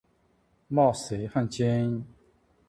骂谁汉奸